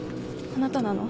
あなたなの？